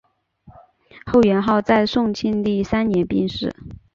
后元昊在宋庆历三年病逝。